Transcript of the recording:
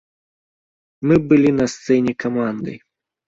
Мы былі на сцэне камандай.